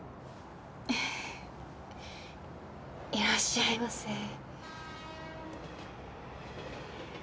いらっしゃいませ。